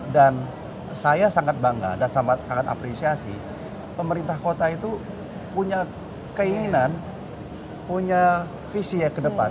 dan saya sangat bangga dan sangat apresiasi pemerintah kota itu punya keinginan punya visi ke depan